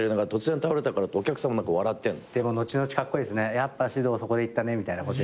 やっぱ獅童そこで逝ったねみたいな。